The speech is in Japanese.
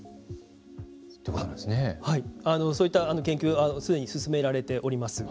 そういった研究すでに進められております。